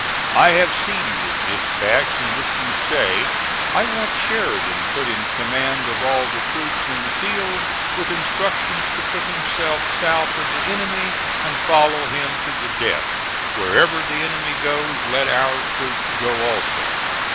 I have seen your despatch in which you say, "I want Sheridan put in command of all the troops in the field, with instructions to put himself south of the enemy, and follow him to the death. Wherever the enemy goes, let our troops go also."